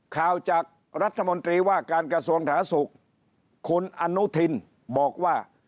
ข่าวจากรัฐมนตรีว่าการกระทรวงสาธารณสุขคุณอนุทินบอกว่า